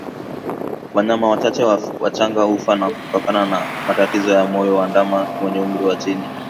Wanyama wachache wachanga hufa kutokana na matatizo ya moyo Ndama wenye umri wa chini